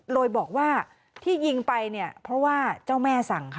โดยบอกว่าที่ยิงไปเนี่ยเพราะว่าเจ้าแม่สั่งค่ะ